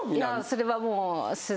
それはもう。